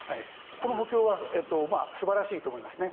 この補強は素晴らしいと思いますね。